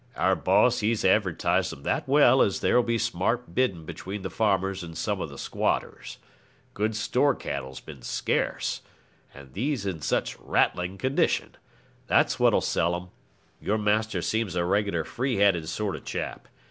'Our boss he's advertised 'em that well as there'll be smart bidding between the farmers and some of the squatters. Good store cattle's been scarce, and these is in such rattling condition. That's what'll sell 'em. Your master seems a regular free handed sort of chap.